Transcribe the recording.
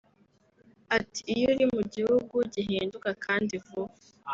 Ati “Iyo uri mu gihugu gihinduka kandi vuba